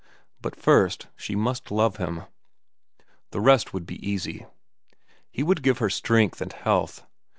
But first, she must love him. The rest would be easy. He would give her strength and health.